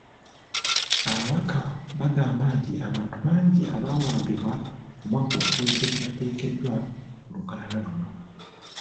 Ababaka bagamba nti abantu bangi abaawambibwa omwaka oguwedde tebateekeddwa ku lukalala luno.